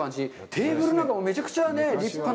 テーブルなんかもめちゃくちゃ立派な。